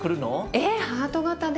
えっハート形で？